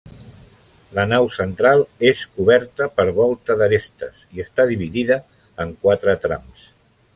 La nau central és coberta per volta d'arestes i està dividida en quatre trams.